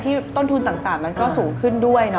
ต้นทุนต่างมันก็สูงขึ้นด้วย